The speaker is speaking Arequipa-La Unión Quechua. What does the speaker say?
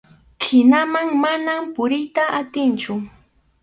Hinaman mana puriyta atinchu.